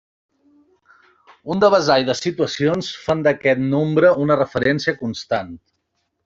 Un devessall de situacions fan d'aquest nombre una referència constant.